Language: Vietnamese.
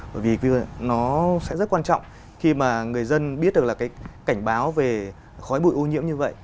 bởi vì nó sẽ rất quan trọng khi mà người dân biết được là cái cảnh báo về khói bụi ô nhiễm như vậy